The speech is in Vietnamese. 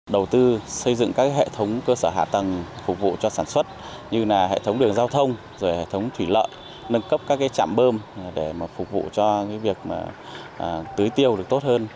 đầu tư xây dựng các hệ thống cơ sở hạ tầng phục vụ cho sản xuất như hệ thống đường giao thông hệ thống thủy lợi nâng cấp các chạm bơm để phục vụ cho việc tưới tiêu được tốt hơn